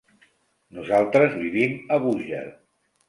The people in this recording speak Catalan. Nosaltres vivim a Búger.